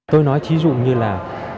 tôi nói chí dụ như là